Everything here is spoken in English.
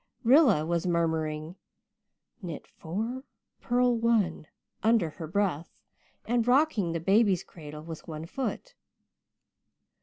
Rilla was murmuring "knit four, purl one" under her breath, and rocking the baby's cradle with one foot.